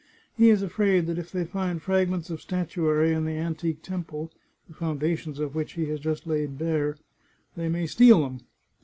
He is afraid that if they find fragments of statuary in the antique temple, the foundations of which he has just laid bare, they may steal them.